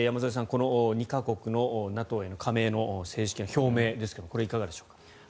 この２か国のＮＡＴＯへの加盟の正式な表明ですがいかがでしょうか。